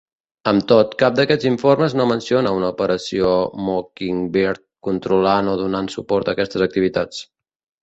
Amb tot, cap d'aquests informes no menciona una operació Mockingbird controlant o donant suport a aquestes activitats.